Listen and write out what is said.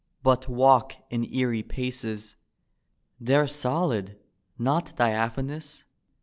But walk in eerie paces; They're solid, not diaphanous.